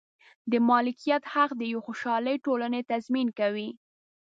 د مالکیت حق د یوې خوشحالې ټولنې تضمین کوي.